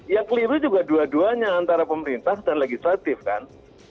yang keliru juga dua duanya antara pemerintah dan legislatif kan